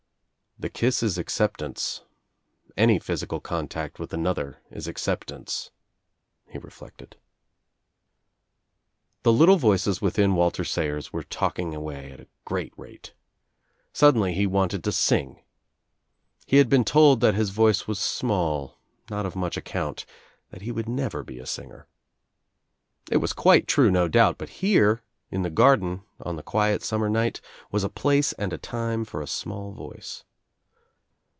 "The kiss is acceptance. Any physical contact with another Is acceptance," he reflected. The little voices within Walter Savers were talk ing away at a great rale. Suddenly he ■n anted to sing. He had been told that his voice was small, not of much account, that he would never be a singer. It was quite true no doubt but here. In the garden on the quiet summer night, was a place and a time for a small voice.